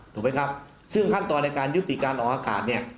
ถูกไหมครับซึ่งขั้นตอนในการยุติการออกอากาศเนี่ย